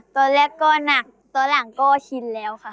ตอนแรกก็หนักตอนหลังก็ชินแล้วค่ะ